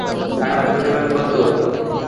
টাকার পরিমাণ কত?